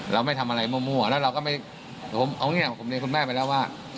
เราไม่ทำอะไรมั่วแล้วเราก็ไม่ผมเอาแง่ของผมเรียนคุณแม่ไปแล้วว่า